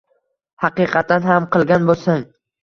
haqiqatdan ham qilgan bo‘lsang